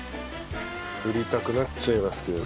振りたくなっちゃいますけどね。